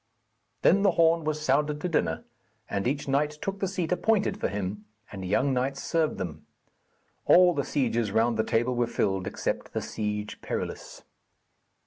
Then the horn was sounded to dinner, and each knight took the seat appointed for him, and young knights served them. All the sieges round the table were filled except the Siege Perilous.